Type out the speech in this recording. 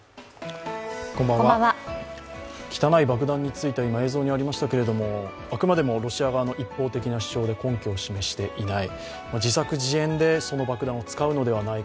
汚い爆弾については今、映像にありましたけれども、あくまでもロシア側の一方的な主張で根拠を示していない。